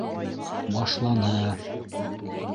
Башланы!